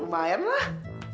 ya lumayan lah